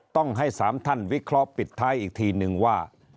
ต้องให้๓ท่านวิเคราะห์ปิดท้ายอีกทีนึงว่า